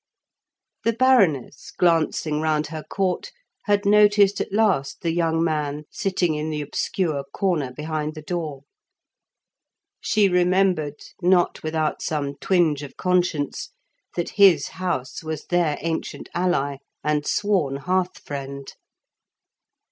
The Baroness, glancing round her court, had noticed at last the young man sitting in the obscure corner behind the door; she remembered, not without some twinge of conscience, that his house was their ancient ally and sworn hearth friend.